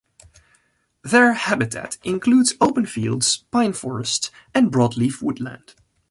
Their habitat includes open fields, pine forest and broadleaf woodland.